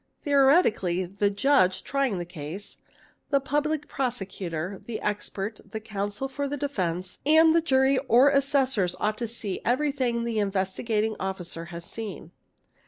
Theoretically, the Judge Hy ae trying the case, the Public Prosecutor, the expert, the counsel for the defence, and the jury or assessors, ought to see everything the Investi gating Officer has seen.